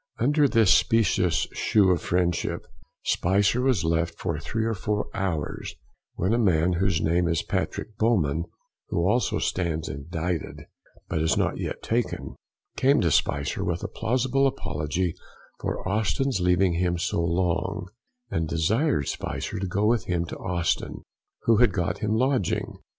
Under this specious shew of friendship, Spicer was left for three or four hours, when a man whose name is Patrick Bowman (who also stands indicted, but is not yet taken) came to Spicer with a plausible apology for Austin's leaving him so long, and desired Spicer to go with him to Austin, who had got him a lodging.